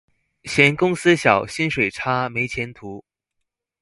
嫌公司小、薪水差、沒前途